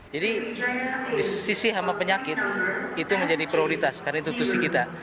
jadi di sisi hama penyakit itu menjadi prioritas karena itu tutupi kita